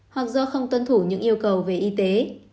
hoặc do không tuân thủ những yêu cầu về y tế